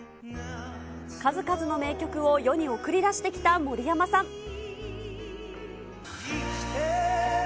数々の名曲を世に送り出してきた森山さん。